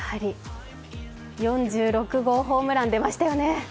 ４６号ホームラン出ましたよね。